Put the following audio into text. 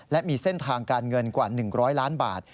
และมีเส้นทางการเงินกว่า๑๐๐ล้านบาท